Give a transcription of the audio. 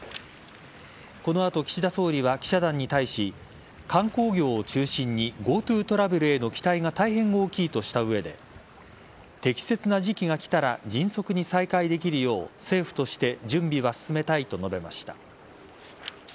この後、岸田総理は記者団に対し観光業を中心にＧｏＴｏトラベルへの期待が大変大きいとした上で適切な時期が来たら迅速に再開できるよう政府として準備は進めたいと述べました。